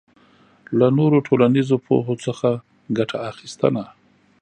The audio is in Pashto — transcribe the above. له نورو ټولنیزو پوهو څخه ګټه اخبستنه